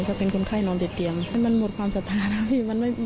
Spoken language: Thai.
ก็เป็นคนไข้นอนติดเตียงให้มันหมดความศรัทธานะพี่